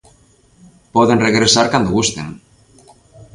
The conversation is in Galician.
Poden regresar cando gusten.